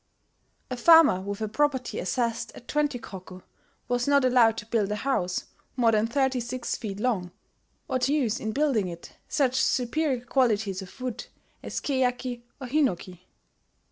A farmer with a property assessed at 20 koku was not allowed to build a house more than 36 feet long, or to use in building it such superior qualities of wood as keyaki or hinoki.